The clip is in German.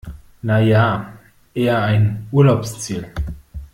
Na ja, eher ein Urlaubsziel.